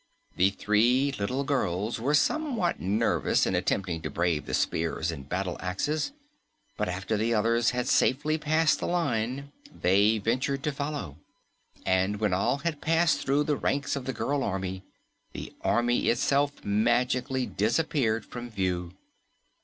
The three little girls were somewhat nervous in attempting to brave the spears and battle axes, but after the others had safely passed the line, they ventured to follow. And when all had passed through the ranks of the girl army, the army itself magically disappeared from view.